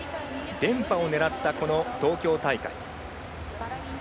連覇を狙ったこの東京大会。